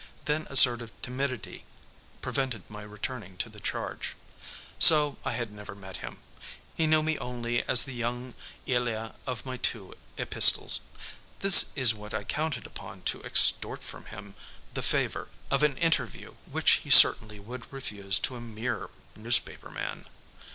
Then a sort of timidity prevented my returning to the charge. So I had never met him. He knew me only as the young Elia of my two epistles. This is what I counted upon to extort from him the favor of an interview which he certainly would refuse to a mere newspaper man.